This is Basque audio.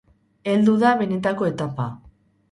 Heldu da benetako etapa.